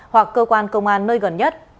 hoặc cơ quan công an nơi gần nhất